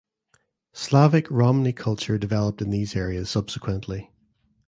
Slavic Romny culture developed in these areas subsequently.